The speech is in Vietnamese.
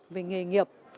về nghề nghiệp